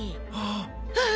ああ！